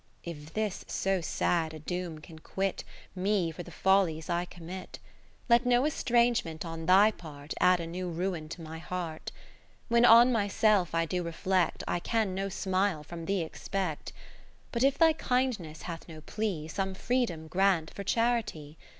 V If this so sad a doom can quit Me for the follies I commit ; To Rosa?iia Let no estrangement on thy part Add a new ruin to my heart. 20 VI When on myself I do reflect, I can no smile from thee expect : But if thy kindness hath no plea, Some freedom grant for charity.